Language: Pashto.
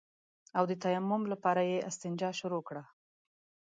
او د تيمم لپاره يې استنجا شروع کړه.